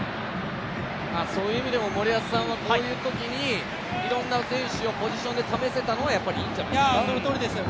そういう意味でも、森保さんはこういうときにいろんな選手を試せたのはやっぱりいいんじゃないですか？